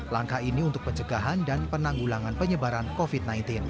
langkah ini untuk pencegahan dan penanggulangan penyebaran covid sembilan belas